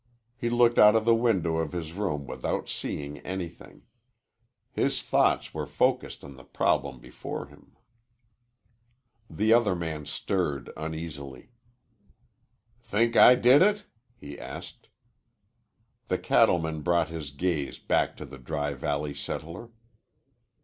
He looked out of the window of his room without seeing anything. His thoughts were focused on the problem before him. The other man stirred uneasily. "Think I did it?" he asked. The cattleman brought his gaze back to the Dry Valley settler.